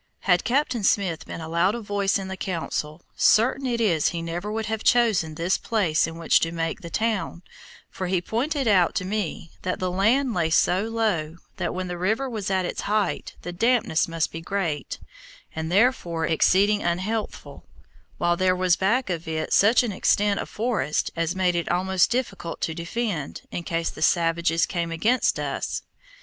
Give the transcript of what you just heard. Had Captain Smith been allowed a voice in the Council, certain it is he never would have chosen this place in which to make the town, for he pointed out to me that the land lay so low that when the river was at its height the dampness must be great, and, therefore, exceeding unhealthful, while there was back of it such an extent of forest, as made it most difficult to defend, in case the savages came against us.